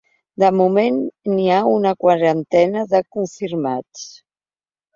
De moment, n’hi ha una quarantena de confirmats.